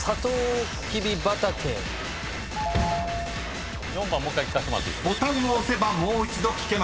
［ボタンを押せばもう一度聴けます］